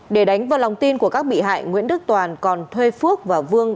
để đánh vào lòng tin của các bị hại nguyễn đức toàn còn thuê phước và vương